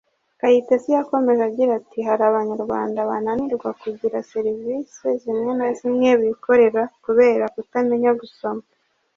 Kayitesi yakomeje agira ati“Hari Abanyarwanda bananirwa kugira serivise zimwe na zimwe bikorera kubera kutamenya gusoma